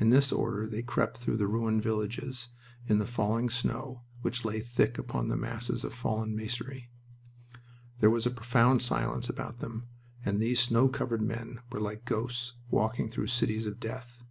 In this order they crept through the ruined villages in the falling snow, which lay thick upon the masses of fallen masonry. There was a profound silence about them, and these snow covered men were like ghosts walking through cities of death.